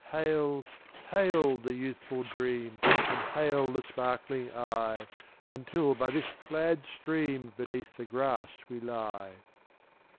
Hail! Hail! the youthful dream, And hail the sparkling eye, Until by this glad stream Beneath the grass we lie.